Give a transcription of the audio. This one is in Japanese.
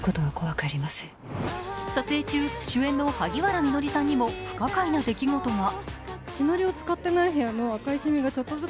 撮影中、主演の萩原みのりさんにも不可解な出来事が。